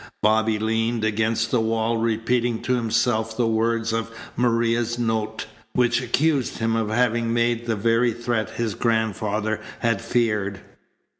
Bobby leaned against the wall, repeating to himself the words of Maria's note which accused him of having made the very threat his grandfather had feared.